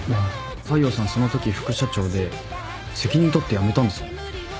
大陽さんそのとき副社長で責任取って辞めたんですよね？